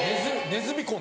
ネズミ婚！